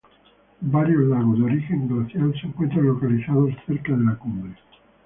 Varios lagos de origen glaciar se encuentran localizados cerca de la cumbre.